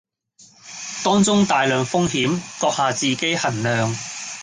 當中大量風險，閣下自己衡量